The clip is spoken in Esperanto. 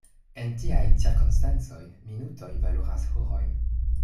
En tiaj cirkonstancoj minutoj valoras horojn.